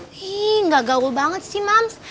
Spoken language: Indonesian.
ih gak gaul banget sih mams